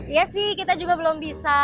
iya sih kita juga belum bisa